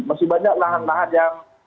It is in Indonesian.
masih banyak lahan lahan yang